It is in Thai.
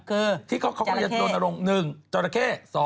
คือจราเข้ที่เขาก็จะโดนอารมณ์๑จราเข้